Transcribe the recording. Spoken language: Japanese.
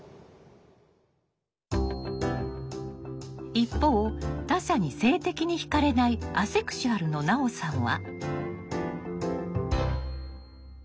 一方他者に性的に惹かれないアセクシュアルの菜央さんは。